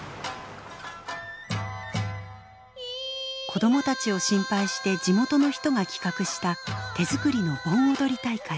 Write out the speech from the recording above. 子どもたちを心配して地元の人が企画した手作りの盆踊り大会。